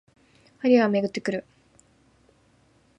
流行りはめぐってくる